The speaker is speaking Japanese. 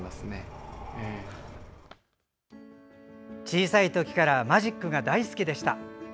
小さいときからマジックが大好きでした。